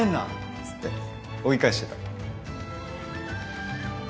っつって追い返してた。